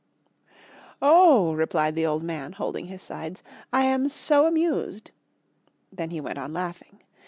"] "Oh," replied the old man, holding his sides, "I am so amused!" Then he went on laughing.